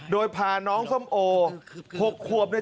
โดยพาน้องส้มโอ๖ขวบเนี่ย